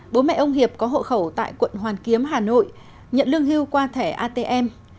bố mẹ ông hiệp có hộ khẩu tại quận hoàn kiếm hà nội nhận lương hưu qua thẻ atm